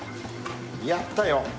やったよ。